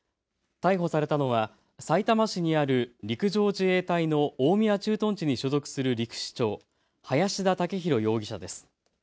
逮捕されたのはさいたま市にある陸上自衛隊の大宮駐屯地に所属する陸士長、林田武紘容疑者です。